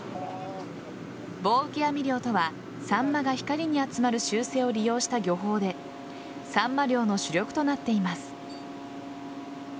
棒受け網漁とはサンマが光に集まる習性を利用した漁法でサンマ漁の主力となっています。